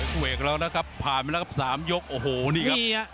กุโยคแล้วนะครับผ่านไปแล้วครับสามยกโอ้โหนี่ครับ